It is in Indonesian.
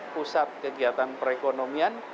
pusat kegiatan perekonomian